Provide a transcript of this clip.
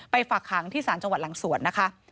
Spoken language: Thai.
ฝากหางที่สารจังหวัดหลังสวนนะคะ